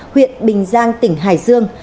huyện bình giang tỉnh hải dương